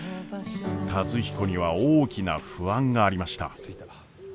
和彦には大きな不安がありました。